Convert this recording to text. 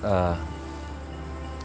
aku bisa berdoa sama tuhan